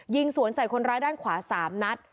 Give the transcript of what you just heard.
ยิงสวนใส่คนร้ายด้านขวา๓นัด